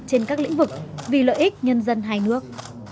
trên các lĩnh vực vì lợi ích nhân dân hai nước